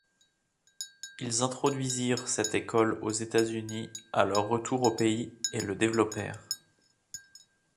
Ils introduisirent cette école aux États-Unis à leur retour au pays, et le développèrent.